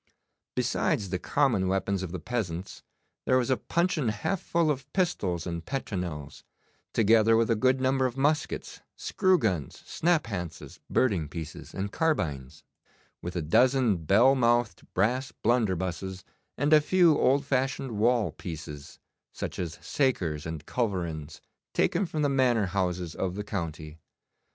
Besides the common weapons of the peasants there was a puncheon half full of pistols and petronels, together with a good number of muskets, screw guns, snaphances, birding pieces, and carbines, with a dozen bell mouthed brass blunderbusses, and a few old fashioned wall pieces, such as sakers and culverins taken from the manor houses of the county.